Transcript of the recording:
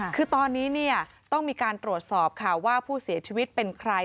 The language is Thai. คือตอนนี้ต้องมีการตรวจสอบค่ะว่าผู้เสียชีวิตเป็นใคร